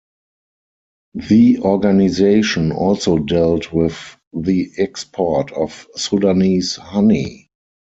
The organisation also dealt with the export of Sudanese honey.